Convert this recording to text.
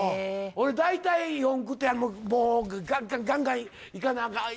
俺大体四駆ってガンガンガンいかなあかん